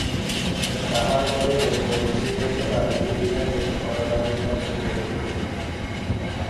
তাহার পরে রৌদ্র বেশি হইলে বাড়ি ফিরিয়া বেণু হরলালের কাছে পড়িতে বসিত।